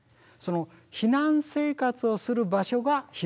避難生活をする場所が避難所。